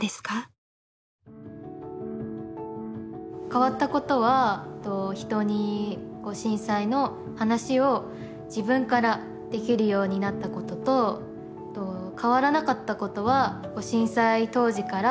変わったことは人に震災の話を自分からできるようになったことと変わらなかったことは震災当時から